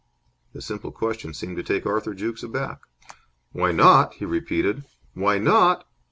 The simple question seemed to take Arthur Jukes aback. "Why not?" he repeated. "Why not?